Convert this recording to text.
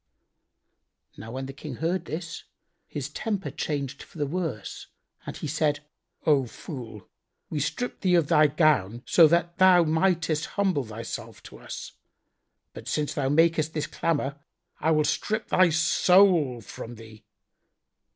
Now when the King heard this, his temper changed for the worse and he said, "O fool,[FN#87] we stripped thee of thy gown, so thou mightest humble thyself to us, but since thou makest this clamour I will strip thy soul from thee."